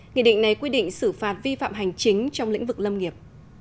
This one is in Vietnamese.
nghị định này quy định xử phạt vi phạm hành chính trong lĩnh vực lâm nghiệp